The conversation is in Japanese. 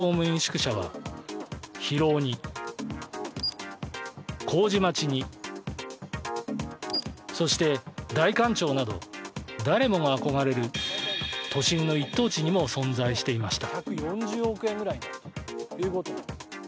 こうした格安家賃の国家公務員宿舎は広尾に、麹町にそして代官町など誰もが憧れる都心の一等地にも存在していました。